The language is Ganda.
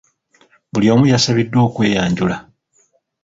Buli omu yasabiddwa okweyanjula .